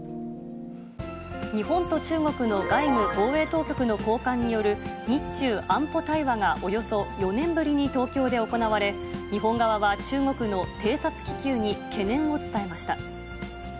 日本と中国の外務・防衛当局の高官による、日中安保対話が、およそ４年ぶりに東京で行われ、日本側は中国の偵察気球に懸念を伝えました。